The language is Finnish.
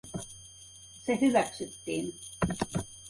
Se hyväksyttiin.